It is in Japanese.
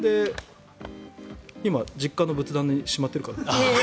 今、実家の仏壇にしまってあるかな。